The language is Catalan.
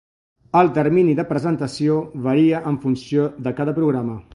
El termini de presentació varia en funció de cada programa.